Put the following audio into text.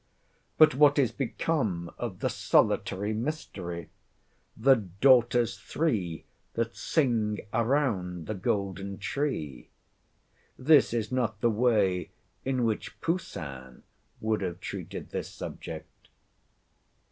But what is become of the solitary mystery—the Daughters three, That sing around the golden tree? This is not the way in which Poussin would have treated this subject.